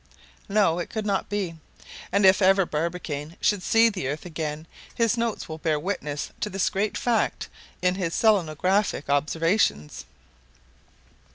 No, it could not be. And if ever Barbicane should see the earth again, his notes will bear witness to this great fact in his selenographic observations.